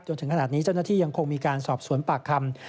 จนถึงขนาดนี้เจ้าหน้าที่ยังคงมีการสอบสวนปากคำ